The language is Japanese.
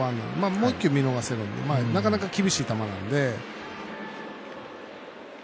もう一球、見逃せるんでなかなか厳しい球なので。